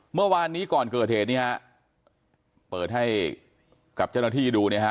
เมื่อวานนี้ก่อนเกิดเหตุนี้ฮะเปิดให้กับเจ้าหน้าที่ดูเนี่ยฮะ